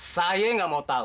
saya gak mau tahu